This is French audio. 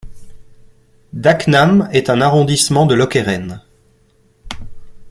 Daknam est un arrondissement de Lokeren.